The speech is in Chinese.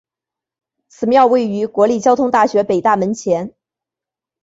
此庙位于国立交通大学北大门前。